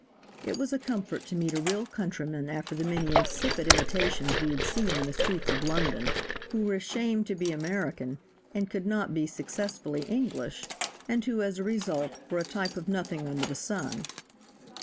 It was a comfort to meet a real countryman after the many insipid imitations we had seen in the streets of London, who were ashamed to be American, and could not be successfully English, and who, as a result, were a type of nothing under the sun.